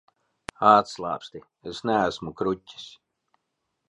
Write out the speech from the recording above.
Atslābsti, es neesmu kruķis.